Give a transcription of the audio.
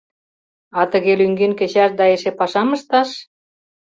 А тыге лӱҥген кечаш да эше пашам ышташ?